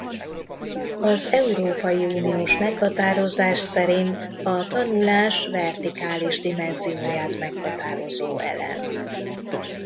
Az európai uniós meghatározás szerint a tanulás vertikális dimenzióját meghatározó elem.